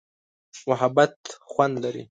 محبت خوند لري.